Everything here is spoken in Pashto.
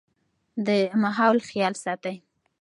د ماحول خيال ساتئ